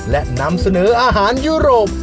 และนำเสนออาหารยุโรป